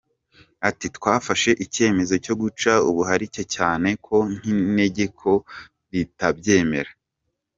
Ati “Twafashe icyemezo cyo guca ubuharike cyane ko n’itegeko ritabyemera.